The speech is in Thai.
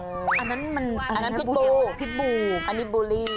อันนั้นมันอันนั้นพิษบูพิษบูอันนี้บูลลี่